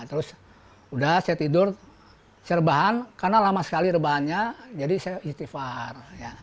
terus udah saya tidur serbahan karena lama sekali rebahannya jadi saya istighfar